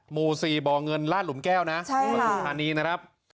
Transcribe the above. หมู่๔บเงินลาดหลุมแก้วนะหลุมอันนี้นะครับใช่ค่ะ